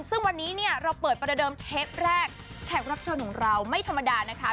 ซึ่งวันนี้เนี่ยเราเปิดประเดิมเทปแรกแขกรับเชิญของเราไม่ธรรมดานะคะ